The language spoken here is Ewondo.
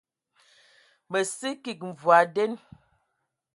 Mə sə kig mvɔi nden.